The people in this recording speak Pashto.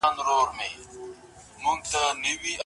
ستړیا د بدلون اړتیا ښيي.